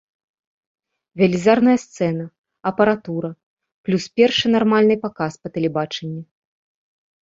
Велізарная сцэна, апаратура, плюс першы нармальны паказ па тэлебачанні.